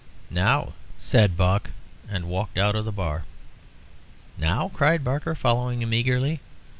"Now," said Buck, and walked out of the bar. "Now!" cried Barker, following him eagerly.